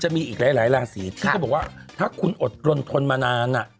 จะมีอีกหลายหลายลาศีที่ก็บอกว่าถ้าคุณอดรนทนมานาน